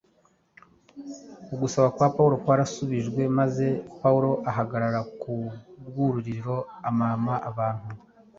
Ugusaba kwa Pawulo kwarasubijwe maze “Pawulo ahagarara ku rwuririro, amama abantu.